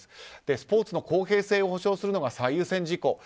スポーツの公平性を保証するのが最優先事項。